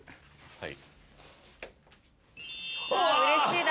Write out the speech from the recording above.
はい。